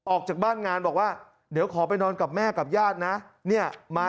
ออกจากบ้านงานบอกว่าเดี๋ยวขอไปนอนกับแม่กับญาตินะเนี่ยมา